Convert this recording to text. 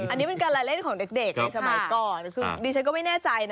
อันนี้ก็สาดิตเหมือนกัน